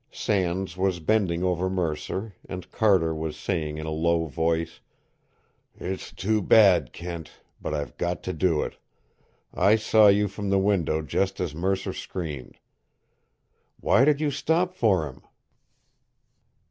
Sands was bending over Mercer, and Carter was saying in a low voice: "It's too bad, Kent. But I've got to do it. I saw you from the window just as Mercer screamed. Why did you stop for him?"